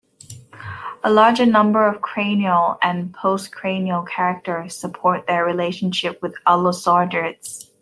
A larger number of cranial and postcranial characters support their relationship with allosaurids.